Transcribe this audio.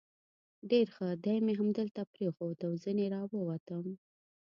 ډېر ښه، دی مې همدلته پرېښود او ځنې را ووتم.